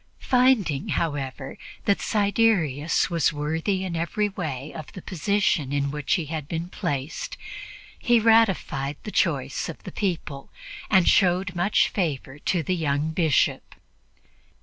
Finding, however, that Siderius was worthy in every way of the position in which he had been placed, he ratified the choice of the people and showed much favor to the young Bishop.